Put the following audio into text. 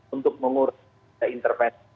untuk mengurus intervensi